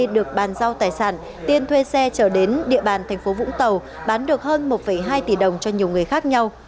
được bàn giao tài sản tiên thuê xe trở đến địa bàn thành phố vũng tàu bán được hơn một hai tỷ đồng cho nhiều người khác nhau